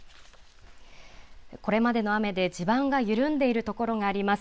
これまでの雨で地盤が緩んでいる所があります。